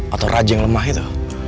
atau raja yang lemah itu